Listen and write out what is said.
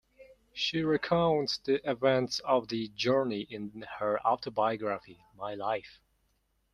She recounts the events of the journey in her autobiography, "My Life".